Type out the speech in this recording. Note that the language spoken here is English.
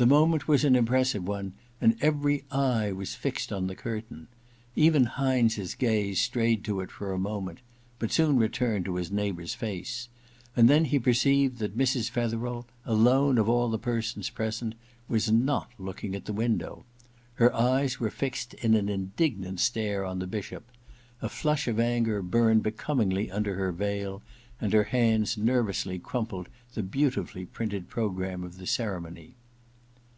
The moment was an impressive one, and every eye was fixed on the curtain. Even Hynes*s gaze strayed to it for a moment, but soon returned to his neighbour *s face ; and then he perceived that Mrs. Fetherel, alone of all the persons present, was not looking at the window. Her eyes were fixed in an indignant stare on the Bishop ; a flush of anger burned becomingly under her veil, and her hands nervously crumpled the beautifully printed programme of the ceremony.